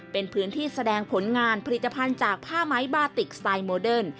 เป็นพื้นที่แสดงผลงานผลิตภัณฑ์จากผ้าไม้บาติกสไตล์โมเดิร์น